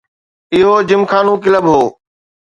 اهو جمخانو ڪلب هو.